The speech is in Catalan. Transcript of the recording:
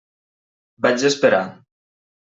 Vaig esperar.